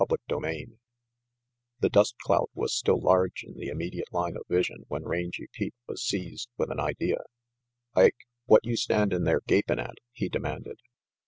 CHAPTER II THE dust cloud was still large in the immediate line of vision when Rangy Pete was seized with an idea. "Ike, what you standin' there gapin' at?" he demanded.